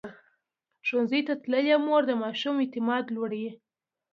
ښوونځې تللې مور د ماشوم اعتماد لوړوي.